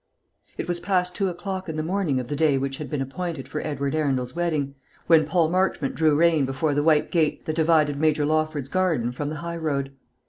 It was past two o'clock in the morning of the day which had been appointed for Edward Arundel's wedding, when Paul Marchmont drew rein before the white gate that divided Major Lawford's garden from the high road.